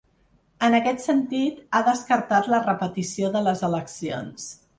En aquest sentit, ha descartat la repetició de les eleccions.